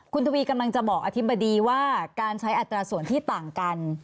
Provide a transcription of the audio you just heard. คุณทวีกำลังจะบอกอธิบดีว่าการใช้อัตราส่วนที่ต่างกัน